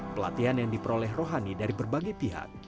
pelatihan yang diperoleh rohani dari berbagai pihak